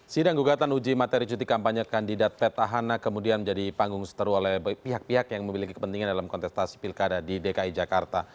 sidang gugatan uji materi cuti kampanye kandidat petahana kemudian menjadi panggung seteru oleh pihak pihak yang memiliki kepentingan dalam kontestasi pilkada di dki jakarta